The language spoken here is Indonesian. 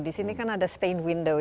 di sini kan ada stain window